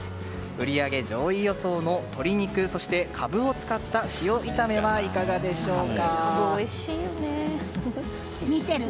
売り上げ上位予想の鶏肉、そしてカブを使った塩炒めはいかがでしょうか。